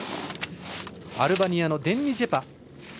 アルバニアのデンニ・ジェパ。